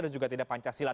dan juga tidak pancasila